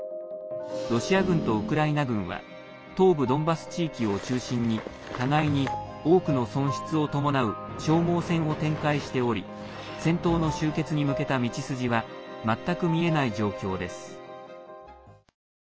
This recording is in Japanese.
ロシア軍とウクライナ軍は東部ドンバス地域を中心に互いに多くの損失を伴う消耗戦を展開しており戦闘の終結に向けた道筋は全く見えない状況です。